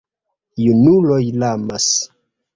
Junuloj lamas.